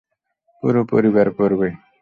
পুরো পরিবার পড়বে।